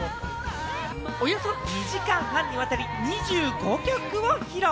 およそ２時間半にわたり２５曲を披露。